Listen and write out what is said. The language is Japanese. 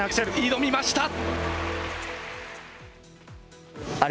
挑みました。